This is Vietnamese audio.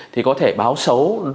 thì có thể báo xấu